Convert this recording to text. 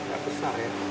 gak besar ya